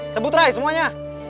sebut ray semuanya